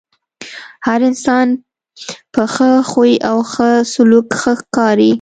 هر انسان په ښۀ خوی او ښۀ سلوک ښۀ ښکاري .